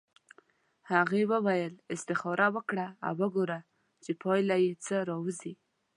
هغې وویل استخاره وکړه او وګوره چې پایله یې څه راوځي.